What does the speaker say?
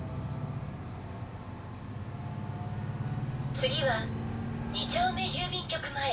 「次は２丁目郵便局前。